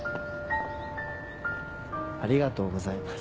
ありがとうございます。